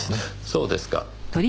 そうですか。